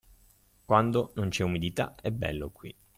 Quando non c’è umidità è bello qui.